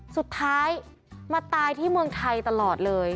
สุดท้ายมาตายที่เมืองไทยตลอดเลย